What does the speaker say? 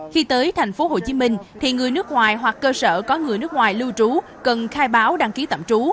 khi tới thành phố hồ chí minh thì người nước ngoài hoặc cơ sở có người nước ngoài lưu trú cần khai báo đăng ký tạm trú